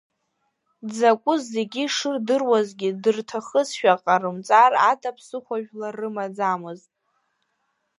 Дзакәыз зегьы шырдыруазгьы дырҭахызшәа ҟарымҵар ада ԥсыхәажәла рымаӡамызт.